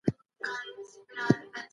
که ماشومان مصروف نه وي، وخت ورو تېریږي.